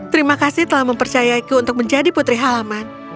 terima kasih telah mempercayaiku untuk menjadi putri halaman